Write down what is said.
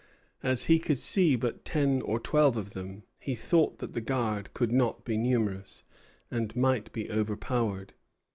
As he could see but ten or twelve of them, he thought that the guard could not be numerous, and might be overpowered.